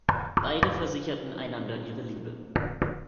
Beide versichern einander ihre Liebe.